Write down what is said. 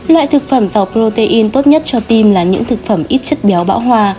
loại thực phẩm giàu protein tốt nhất cho tim là những thực phẩm ít chất béo bão hòa